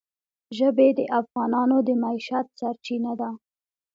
ژبې د افغانانو د معیشت سرچینه ده.